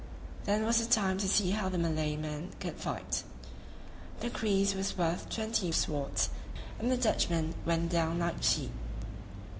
Then was the time to see how the Malay man could fight; the creese was worth twenty swords, and the Dutchmen went down like sheep.